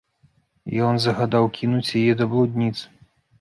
Ён загадаў кінуць яе да блудніц.